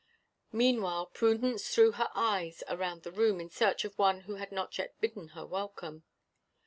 Meanwhile Prudence threw her eyes around the room in search of one who had not yet bidden her welcome.